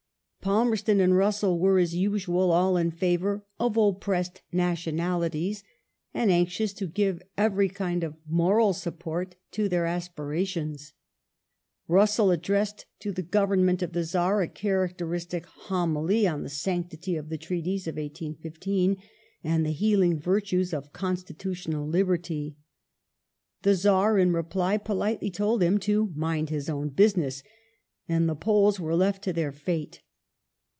Palmerston and Russell were, as usual, all in favour of "oppressed nationalities," Foreign and anxious to give every kind of moral support to their aspira [he ^^igs tions. Russell addressed to the Government of the Czar a charac teristic homily on the sanctity of the Treaties of 1815 and the healing virtues of Constitutional liberty. The Czar, in reply, politely told him to mind his own business, and the Poles were left to their fate.